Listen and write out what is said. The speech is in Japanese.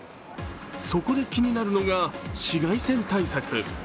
そこで気になるのが、紫外線対策。